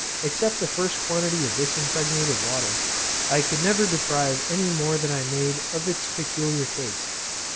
Except the first quantity of this impregnated water, I could never deprive any more that I made of its peculiar taste.